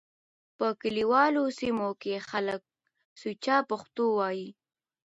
په کليوالو سيمو کې خلک سوچه پښتو وايي.